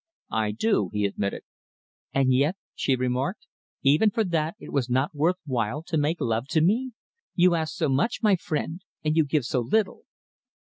"I do," he admitted. "And yet," she remarked, "even for that it was not worth while to make love to me! You ask so much, my friend, and you give so little."